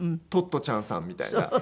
「トットちゃんさん」みたいな。